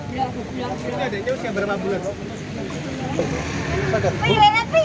ini ada jauh seberapa bulan